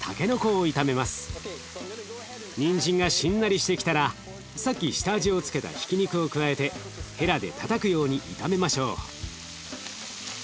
にんじんがしんなりしてきたらさっき下味を付けたひき肉を加えてヘラでたたくように炒めましょう。